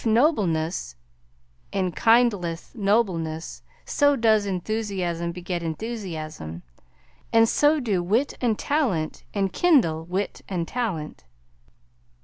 If "nobleness enkindleth nobleness," so does enthusiasm beget enthusiasm, and so do wit and talent enkindle wit and talent.